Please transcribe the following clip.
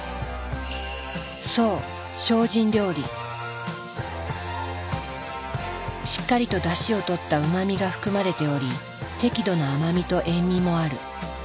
そうしっかりとだしをとったうま味が含まれており適度な甘みと塩味もある。